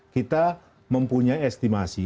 kita mempunyai estimasi